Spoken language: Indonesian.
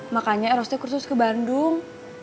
makanya eross kursus ke bandung